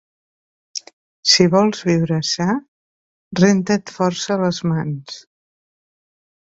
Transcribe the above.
Si vols viure sa, renta't força les mans.